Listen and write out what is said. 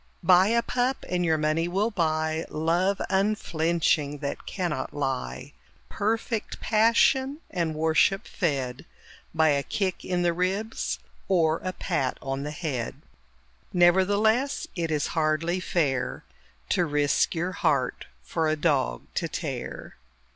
Buy a pup and your money will buy Love unflinching that cannot lie Perfect passion and worship fed By a kick in the ribs or a pat on the head. Nevertheless it is hardly fair To risk your heart for a dog to tear.